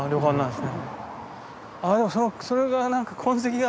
でもそのそれが何か痕跡が。